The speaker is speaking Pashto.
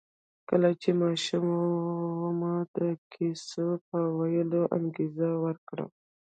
کله چې ماشوم و ما د کیسو په ویلو انګېزه ورکړه